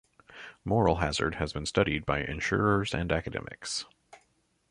Moral hazard has been studied by insurers and academics.